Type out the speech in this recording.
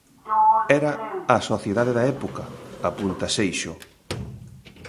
Era a sociedade da época, apunta Seixo.